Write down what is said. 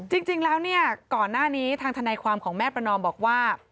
จริงแล้วเนี่ยก่อนหน้านี้ทางทนายความของแม่ประนอมบอกว่า